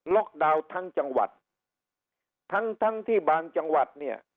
ล็อกดาวน์ทั้งจังหวัดทั้งที่บางจังหวัด